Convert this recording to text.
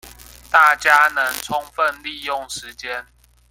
大家能充分利用時間